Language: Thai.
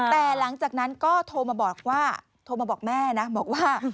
แต่หลังจากนั้นก็โทรมาบอกว่าโทรมาบอกแม่นะบอกว่า